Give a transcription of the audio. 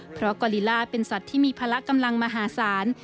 เพราะกอลิล่าเป็นสัตว์ที่มีพละกำลังมหาศาล